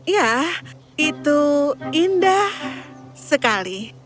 ya itu indah sekali